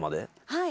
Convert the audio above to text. はい。